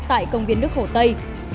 tại công viên nước hồ tây